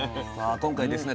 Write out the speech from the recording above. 今回ですね